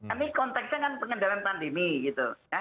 ini konteksnya kan pengendalian pandemi gitu